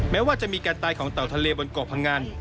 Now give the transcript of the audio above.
แม้ว่าจะมีการตายของเต่าทะเลบนเกาะพงัน